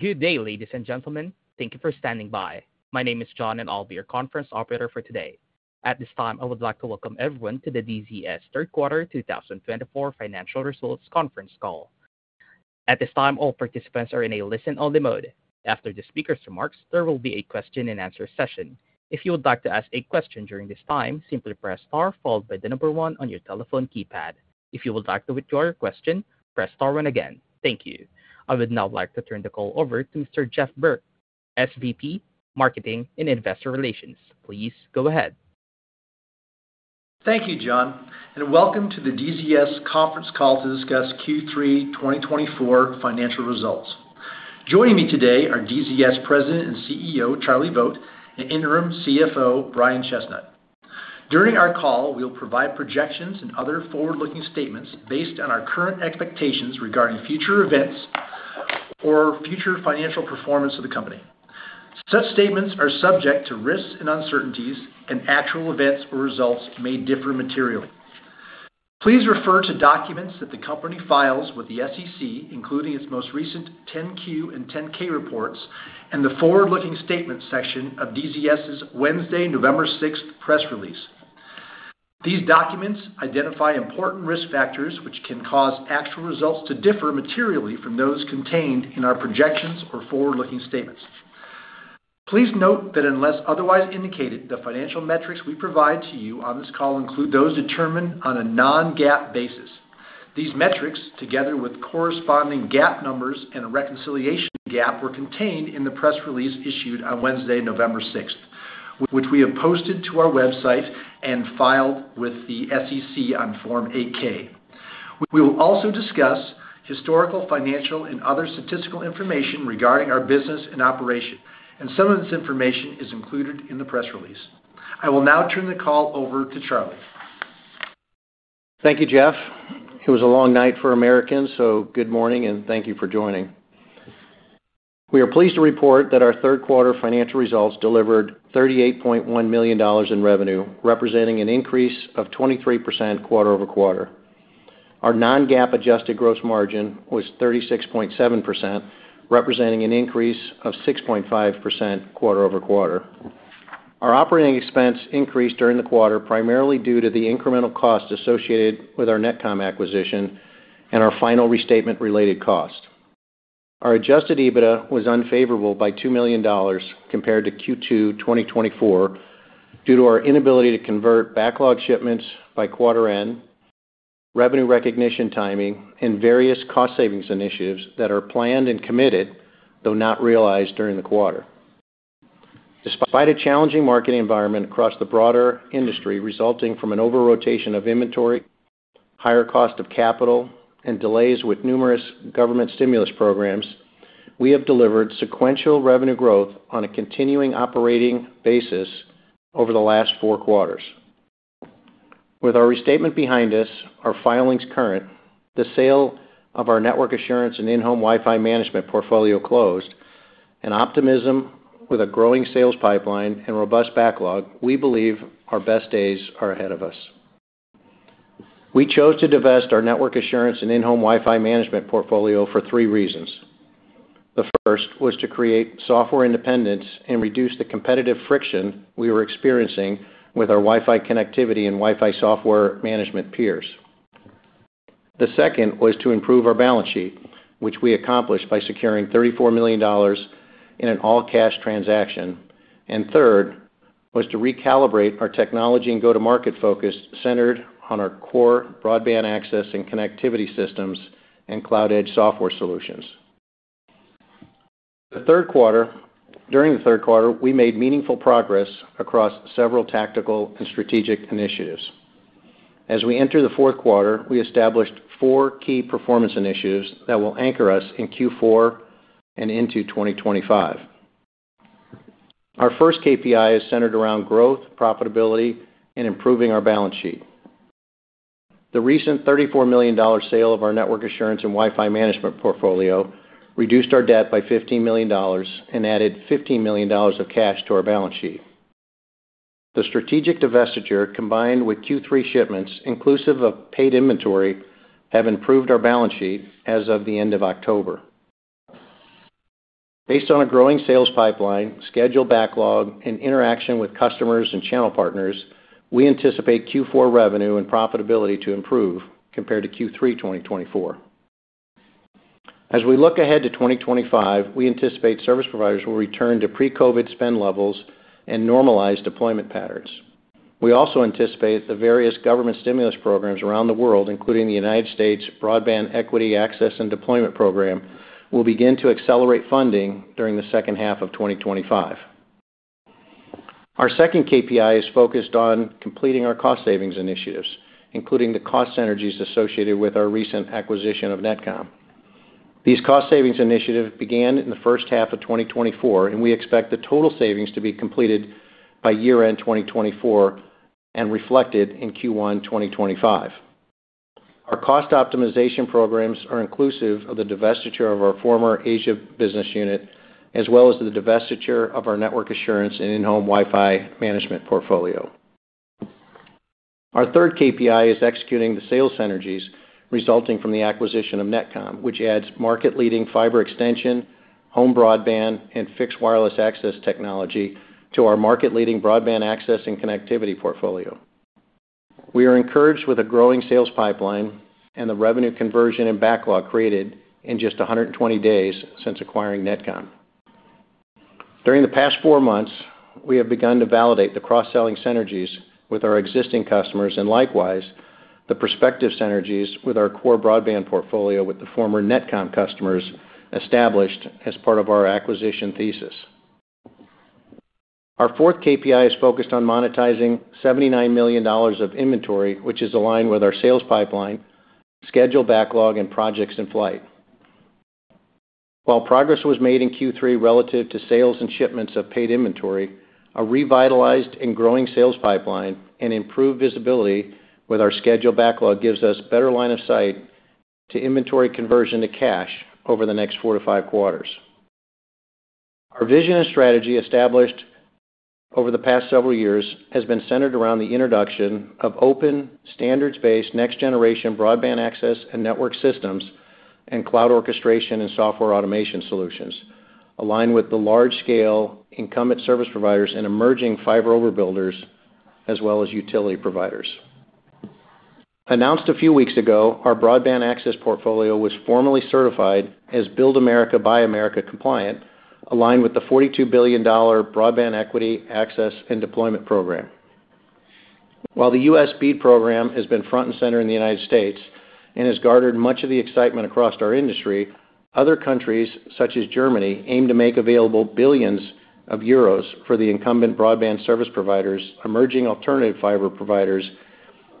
Good day, ladies and gentlemen. Thank you for standing by. My name is John, and I'll be your conference operator for today. At this time, I would like to welcome everyone to the DZS Q3 2024 financial results conference call. At this time, all participants are in a listen-only mode. After the speaker's remarks, there will be a question-and-answer session. If you would like to ask a question during this time, simply press *1 on your telephone keypad. If you would like to withdraw your question, press *1 again. Thank you. I would now like to turn the call over to Mr. Geoff Burke, SVP, Marketing and Investor Relations. Please go ahead. Thank you, John, and welcome to the DZS conference call to discuss Q3 2024 financial results. Joining me today are DZS President and CEO, Charlie Vogt, and Interim CFO, Brian Chesnut. During our call, we will provide projections and other forward-looking statements based on our current expectations regarding future events or future financial performance of the company. Such statements are subject to risks and uncertainties, and actual events or results may differ materially. Please refer to documents that the company files with the SEC, including its most recent 10-Q and 10-K reports and the forward-looking statements section of DZS's Wednesday, November 6th press release. These documents identify important risk factors which can cause actual results to differ materially from those contained in our projections or forward-looking statements. Please note that unless otherwise indicated, the financial metrics we provide to you on this call include those determined on a non-GAAP basis. These metrics, together with corresponding GAAP numbers and a reconciliation to GAAP, were contained in the press release issued on Wednesday, November 6th, which we have posted to our website and filed with the SEC on Form 8-K. We will also discuss historical financial and other statistical information regarding our business and operation, and some of this information is included in the press release. I will now turn the call over to Charlie. Thank you, Jeff. It was a long night for Americans, so good morning, and thank you for joining. We are pleased to report that our Q3 financial results delivered $38.1 million in revenue, representing an increase of 23% quarter over quarter. Our Non-GAAP adjusted gross margin was 36.7%, representing an increase of 6.5% quarter over quarter. Our operating expense increased during the quarter primarily due to the incremental cost associated with our NetComm acquisition and our final restatement-related cost. Our Adjusted EBITDA was unfavorable by $2 million compared to Q2 2024 due to our inability to convert backlog shipments by quarter-end, revenue recognition timing, and various cost-savings initiatives that are planned and committed, though not realized during the quarter. Despite a challenging marketing environment across the broader industry resulting from an over-rotation of inventory, higher cost of capital, and delays with numerous government stimulus programs, we have delivered sequential revenue growth on a continuing operating basis over the last four quarters. With our restatement behind us, our filings current, the sale of our network assurance and in-home Wi-Fi management portfolio closed, and optimism with a growing sales pipeline and robust backlog, we believe our best days are ahead of us. We chose to divest our network assurance and in-home Wi-Fi management portfolio for three reasons. The first was to create software independence and reduce the competitive friction we were experiencing with our Wi-Fi connectivity and Wi-Fi software management peers. The second was to improve our balance sheet, which we accomplished by securing $34 million in an all-cash transaction. And third was to recalibrate our technology and go-to-market focus centered on our core broadband access and connectivity systems and cloud-edge software solutions. During the third quarter, we made meaningful progress across several tactical and strategic initiatives. As we enter the fourth quarter, we established four key performance initiatives that will anchor us in Q4 and into 2025. Our first KPI is centered around growth, profitability, and improving our balance sheet. The recent $34 million sale of our network assurance and Wi-Fi management portfolio reduced our debt by $15 million and added $15 million of cash to our balance sheet. The strategic divestiture, combined with Q3 shipments inclusive of paid inventory, has improved our balance sheet as of the end of October. Based on a growing sales pipeline, schedule backlog, and interaction with customers and channel partners, we anticipate Q4 revenue and profitability to improve compared to Q3 2024. As we look ahead to 2025, we anticipate service providers will return to pre-COVID spend levels and normalize deployment patterns. We also anticipate the various government stimulus programs around the world, including the United States Broadband Equity Access and Deployment Program, will begin to accelerate funding during the second half of 2025. Our second KPI is focused on completing our cost-savings initiatives, including the cost synergies associated with our recent acquisition of NetComm. These cost-savings initiatives began in the first half of 2024, and we expect the total savings to be completed by year-end 2024 and reflected in Q1 2025. Our cost optimization programs are inclusive of the divestiture of our former Asia business unit, as well as the divestiture of our network assurance and in-home Wi-Fi management portfolio. Our third KPI is executing the sales synergies resulting from the acquisition of NetComm, which adds market-leading fiber extension, home broadband, and fixed wireless access technology to our market-leading broadband access and connectivity portfolio. We are encouraged with a growing sales pipeline and the revenue conversion and backlog created in just 120 days since acquiring NetComm. During the past four months, we have begun to validate the cross-selling synergies with our existing customers and likewise the prospective synergies with our core broadband portfolio with the former NetComm customers established as part of our acquisition thesis. Our fourth KPI is focused on monetizing $79 million of inventory, which is aligned with our sales pipeline, schedule backlog, and projects in flight. While progress was made in Q3 relative to sales and shipments of paid inventory, a revitalized and growing sales pipeline and improved visibility with our scheduled backlog gives us better line of sight to inventory conversion to cash over the next four to five quarters. Our vision and strategy established over the past several years has been centered around the introduction of open standards-based next-generation broadband access and network systems and cloud orchestration and software automation solutions, aligned with the large-scale incumbent service providers and emerging fiber overbuilders, as well as utility providers. Announced a few weeks ago, our broadband access portfolio was formally certified as Build America, Buy America compliant, aligned with the $42 billion Broadband Equity Access and Deployment program. While the U.S. BEAD program has been front and center in the United States and has garnered much of the excitement across our industry, other countries, such as Germany, aim to make available billions of Euros for the incumbent broadband service providers, emerging alternative fiber providers,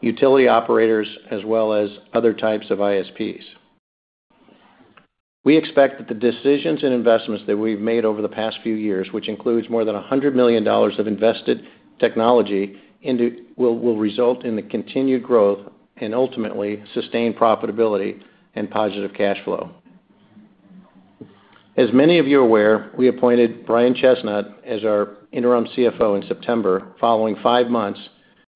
utility operators, as well as other types of ISPs. We expect that the decisions and investments that we've made over the past few years, which includes more than $100 million of invested technology, will result in the continued growth and ultimately sustained profitability and positive cash flow. As many of you are aware, we appointed Brian Chesnut as our Interim CFO in September, following five months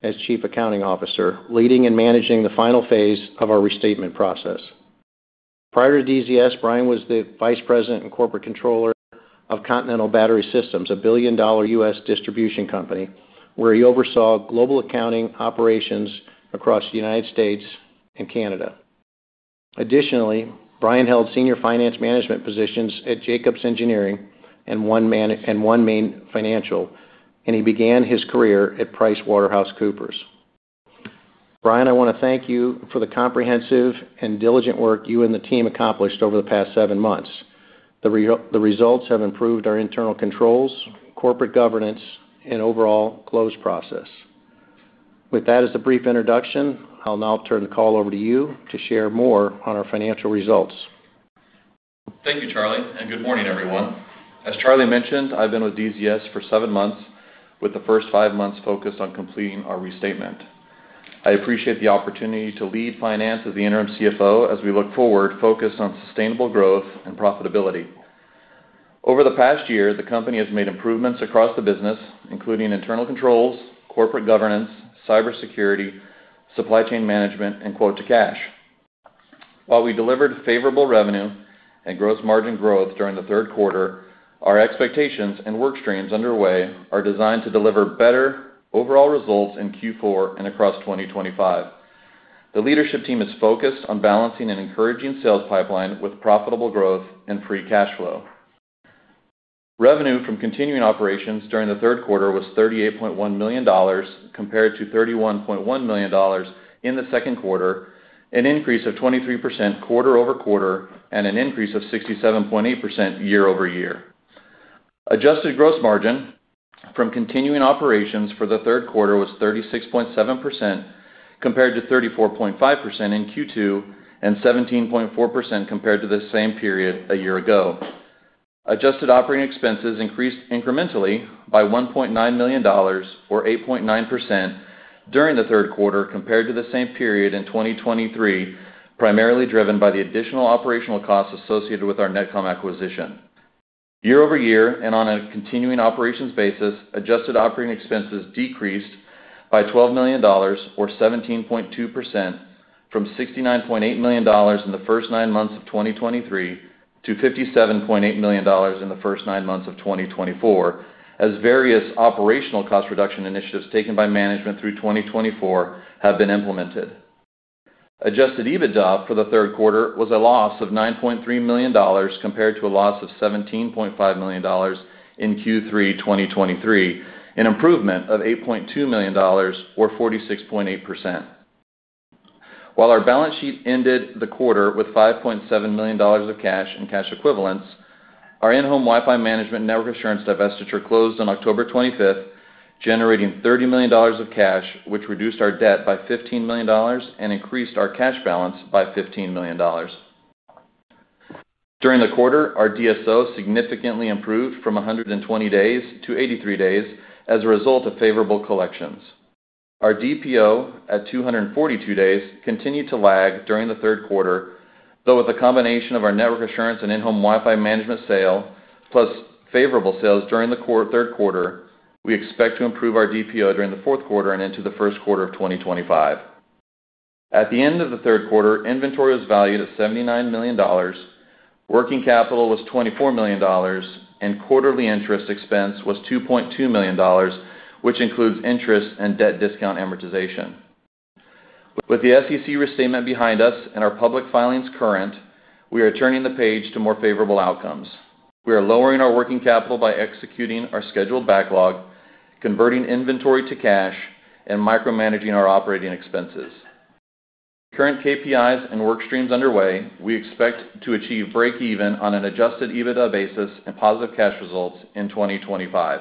as Chief Accounting Officer, leading and managing the final phase of our restatement process. Prior to DZS, Brian was the Vice President and Corporate Controller of Continental Battery Systems, a billion-dollar U.S. distribution company, where he oversaw global accounting operations across the United States and Canada. Additionally, Brian held senior finance management positions at Jacobs Engineering and OneMain Financial, and he began his career at PricewaterhouseCoopers. Brian, I want to thank you for the comprehensive and diligent work you and the team accomplished over the past seven months. The results have improved our internal controls, corporate governance, and overall close process. With that as a brief introduction, I'll now turn the call over to you to share more on our financial results. Thank you, Charlie, and good morning, everyone. As Charlie mentioned, I've been with DZS for seven months, with the first five months focused on completing our restatement. I appreciate the opportunity to lead finance as the Interim CFO as we look forward, focused on sustainable growth and profitability. Over the past year, the company has made improvements across the business, including internal controls, corporate governance, cybersecurity, supply chain management, and quote-to-cash. While we delivered favorable revenue and gross margin growth during the third quarter, our expectations and work streams underway are designed to deliver better overall results in Q4 and across 2025. The leadership team is focused on balancing and encouraging sales pipeline with profitable growth and free cash flow. Revenue from continuing operations during the third quarter was $38.1 million compared to $31.1 million in the second quarter, an increase of 23% quarter over quarter and an increase of 67.8% year over year. Adjusted gross margin from continuing operations for the third quarter was 36.7% compared to 34.5% in Q2 and 17.4% compared to the same period a year ago. Adjusted operating expenses increased incrementally by $1.9 million, or 8.9%, during the third quarter compared to the same period in 2023, primarily driven by the additional operational costs associated with our NetComm acquisition. Year over year and on a continuing operations basis, adjusted operating expenses decreased by $12 million, or 17.2%, from $69.8 million in the first nine months of 2023 to $57.8 million in the first nine months of 2024, as various operational cost reduction initiatives taken by management through 2024 have been implemented. Adjusted EBITDA for the third quarter was a loss of $9.3 million compared to a loss of $17.5 million in Q3 2023, an improvement of $8.2 million, or 46.8%. While our balance sheet ended the quarter with $5.7 million of cash and cash equivalents, our in-home Wi-Fi management network assurance divestiture closed on October 25th, generating $30 million of cash, which reduced our debt by $15 million and increased our cash balance by $15 million. During the quarter, our DSO significantly improved from 120 days to 83 days as a result of favorable collections. Our DPO at 242 days continued to lag during the third quarter, though with a combination of our network assurance and in-home Wi-Fi management sale, plus favorable sales during the third quarter, we expect to improve our DPO during the fourth quarter and into the first quarter of 2025. At the end of the third quarter, inventory was valued at $79 million, working capital was $24 million, and quarterly interest expense was $2.2 million, which includes interest and debt discount amortization. With the SEC restatement behind us and our public filings current, we are turning the page to more favorable outcomes. We are lowering our working capital by executing our scheduled backlog, converting inventory to cash, and micromanaging our operating expenses. With current KPIs and work streams underway, we expect to achieve break-even on an Adjusted EBITDA basis and positive cash results in 2025.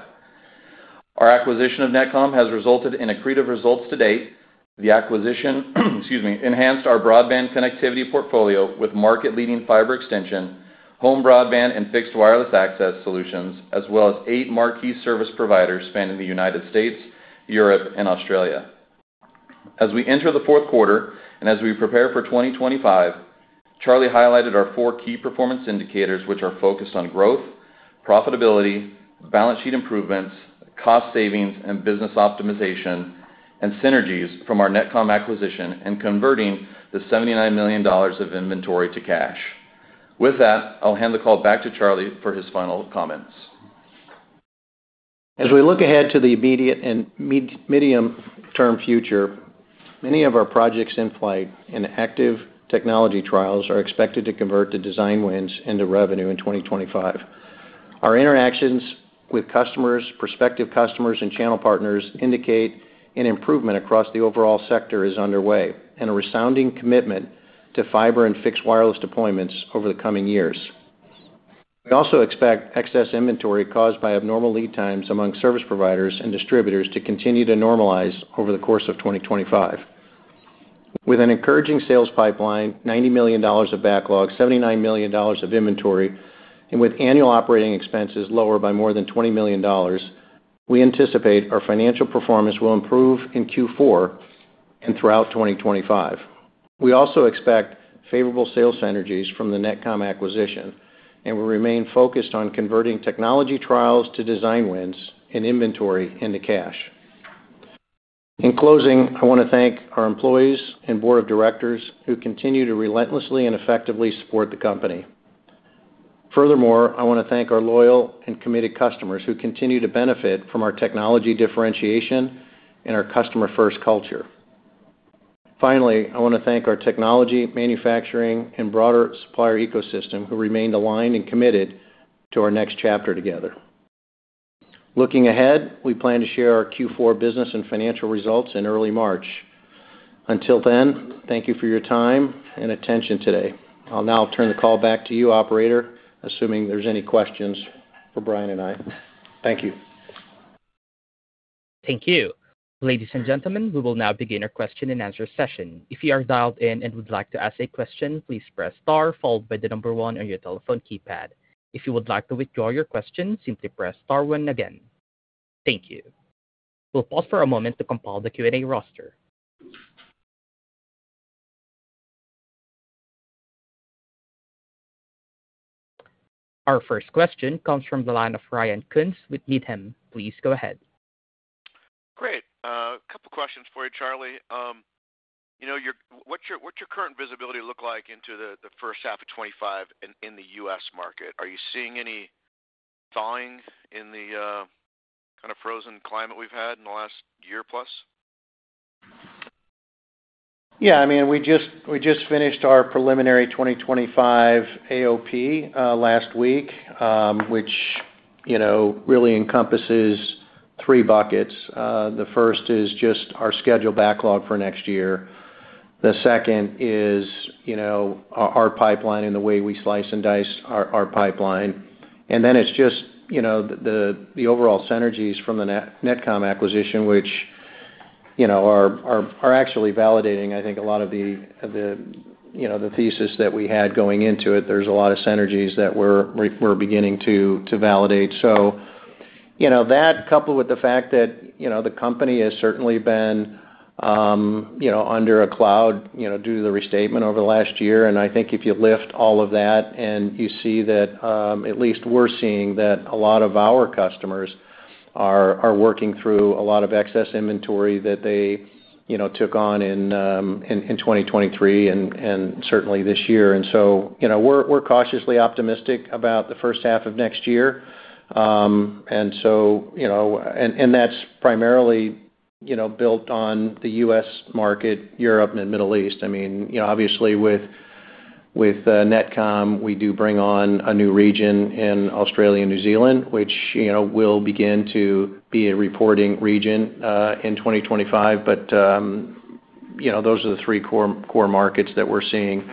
Our acquisition of NetComm has resulted in accretive results to date. The acquisition, excuse me, enhanced our broadband connectivity portfolio with market-leading fiber extension, home broadband, and fixed wireless access solutions, as well as eight marquee service providers spanning the United States, Europe, and Australia. As we enter the fourth quarter and as we prepare for 2025, Charlie highlighted our four key performance indicators, which are focused on growth, profitability, balance sheet improvements, cost savings and business optimization, and synergies from our NetComm acquisition and converting the $79 million of inventory to cash. With that, I'll hand the call back to Charlie for his final comments. As we look ahead to the immediate and medium-term future, many of our projects in flight and active technology trials are expected to convert to design wins into revenue in 2025. Our interactions with customers, prospective customers, and channel partners indicate an improvement across the overall sector is underway and a resounding commitment to fiber and fixed wireless deployments over the coming years. We also expect excess inventory caused by abnormal lead times among service providers and distributors to continue to normalize over the course of 2025. With an encouraging sales pipeline, $90 million of backlog, $79 million of inventory, and with annual operating expenses lower by more than $20 million, we anticipate our financial performance will improve in Q4 and throughout 2025. We also expect favorable sales synergies from the NetComm acquisition, and we remain focused on converting technology trials to design wins and inventory into cash. In closing, I want to thank our employees and board of directors who continue to relentlessly and effectively support the company. Furthermore, I want to thank our loyal and committed customers who continue to benefit from our technology differentiation and our customer-first culture. Finally, I want to thank our technology, manufacturing, and broader supplier ecosystem who remained aligned and committed to our next chapter together. Looking ahead, we plan to share our Q4 business and financial results in early March. Until then, thank you for your time and attention today. I'll now turn the call back to you, Operator, assuming there's any questions for Brian and I. Thank you. Thank you. Ladies and gentlemen, we will now begin our question and answer session. If you are dialed in and would like to ask a question, please press star followed by the number one on your telephone keypad. If you would like to withdraw your question, simply press star one again. Thank you. We'll pause for a moment to compile the Q&A roster. Our first question comes from the line of Ryan Koontz with Needham. Please go ahead. Great. A couple of questions for you, Charlie. What's your current visibility look like into the first half of 2025 in the U.S. market? Are you seeing any thawing in the kind of frozen climate we've had in the last year plus? Yeah. I mean, we just finished our preliminary 2025 AOP last week, which really encompasses three buckets. The first is just our schedule backlog for next year. The second is our pipeline and the way we slice and dice our pipeline. And then it's just the overall synergies from the NetComm acquisition, which are actually validating, I think, a lot of the thesis that we had going into it. There's a lot of synergies that we're beginning to validate. So that, coupled with the fact that the company has certainly been under a cloud due to the restatement over the last year. And I think if you lift all of that and you see that, at least we're seeing that a lot of our customers are working through a lot of excess inventory that they took on in 2023 and certainly this year. And so we're cautiously optimistic about the first half of next year. And that's primarily built on the U.S. market, Europe, and Middle East. I mean, obviously, with NetComm, we do bring on a new region in Australia and New Zealand, which will begin to be a reporting region in 2025. But those are the three core markets that we're seeing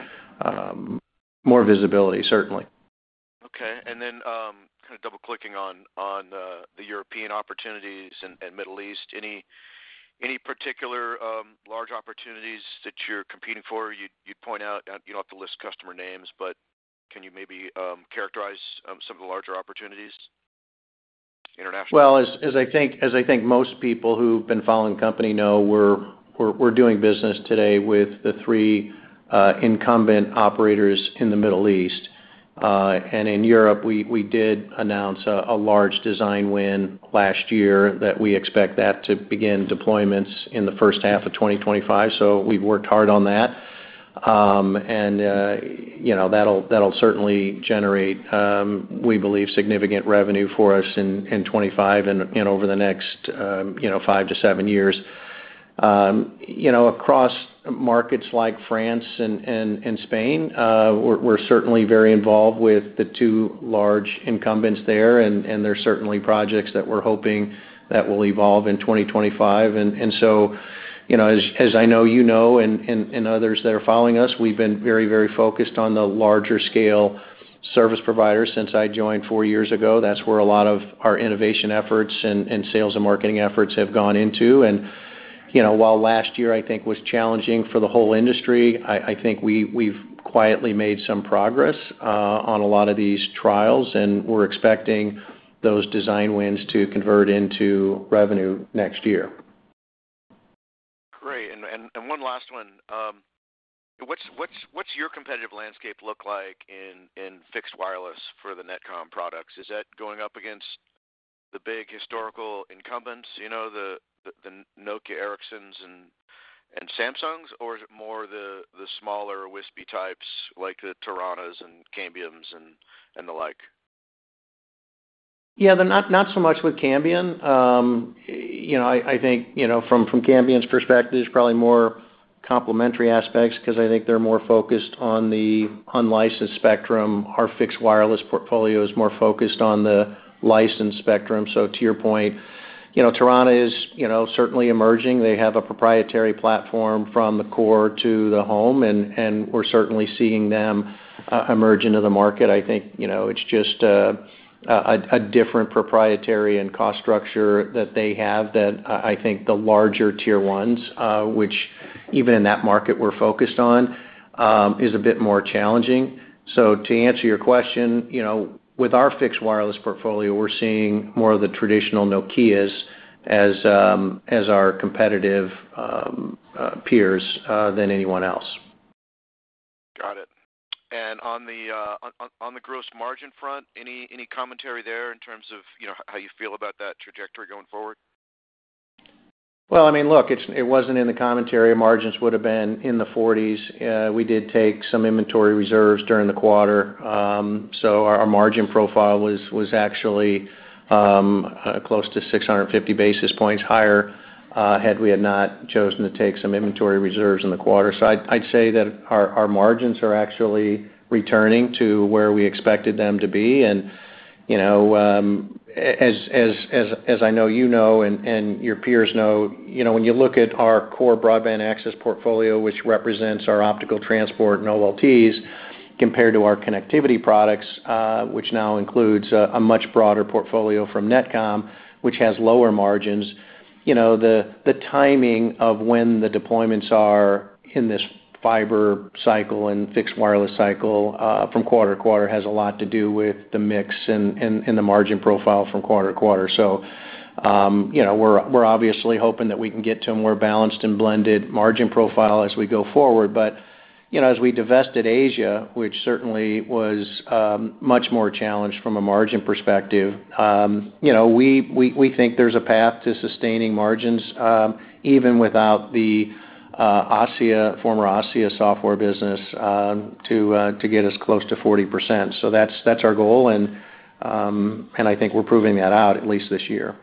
more visibility, certainly. Okay, and then kind of double-clicking on the European opportunities and Middle East, any particular large opportunities that you're competing for? You'd point out, you don't have to list customer names, but can you maybe characterize some of the larger opportunities internationally? As I think most people who've been following the company know, we're doing business today with the three incumbent operators in the Middle East. In Europe, we did announce a large design win last year that we expect that to begin deployments in the first half of 2025. We've worked hard on that. That'll certainly generate, we believe, significant revenue for us in 2025 and over the next five-seven years. Across markets like France and Spain, we're certainly very involved with the two large incumbents there. There are certainly projects that we're hoping that will evolve in 2025. As I know you know and others that are following us, we've been very, very focused on the larger-scale service providers since I joined four years ago. That's where a lot of our innovation efforts and sales and marketing efforts have gone into. And while last year, I think, was challenging for the whole industry, I think we've quietly made some progress on a lot of these trials, and we're expecting those design wins to convert into revenue next year. Great. And one last one. What's your competitive landscape look like in fixed wireless for the NetComm products? Is that going up against the big historical incumbents, the Nokia, Ericssons, and Samsungs, or is it more the smaller WISP-y types like the Taranas and Cambiums and the like? Yeah, not so much with Cambium. I think from Cambium's perspective, there's probably more complementary aspects because I think they're more focused on the unlicensed spectrum. Our fixed wireless portfolio is more focused on the licensed spectrum. So to your point, Tarana is certainly emerging. They have a proprietary platform from the core to the home, and we're certainly seeing them emerge into the market. I think it's just a different proprietary and cost structure that they have that I think the larger tier ones, which even in that market we're focused on, is a bit more challenging. So to answer your question, with our fixed wireless portfolio, we're seeing more of the traditional Nokias as our competitive peers than anyone else. Got it. And on the gross margin front, any commentary there in terms of how you feel about that trajectory going forward? I mean, look, it wasn't in the commentary. Margins would have been in the 40s. We did take some inventory reserves during the quarter. So our margin profile was actually close to 650 basis points higher had we had not chosen to take some inventory reserves in the quarter. So I'd say that our margins are actually returning to where we expected them to be. And as I know you know and your peers know, when you look at our core broadband access portfolio, which represents our optical transport and OLTs compared to our connectivity products, which now includes a much broader portfolio from NetComm, which has lower margins, the timing of when the deployments are in this fiber cycle and fixed wireless cycle from quarter to quarter has a lot to do with the mix and the margin profile from quarter to quarter. We're obviously hoping that we can get to a more balanced and blended margin profile as we go forward. But as we divested Asia, which certainly was much more challenged from a margin perspective, we think there's a path to sustaining margins even without the former Asia software business to get us close to 40%. That's our goal. I think we're proving that out, at least this year.